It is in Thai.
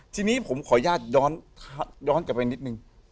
ทีนี้ผมขออนุญาตย้อนกลับไปนิดนึง